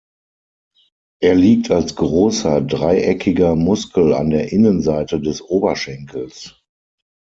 Er liegt als großer dreieckiger Muskel an der Innenseite des Oberschenkels.